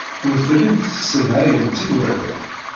Ur tellimt tessedhayemt igerdan.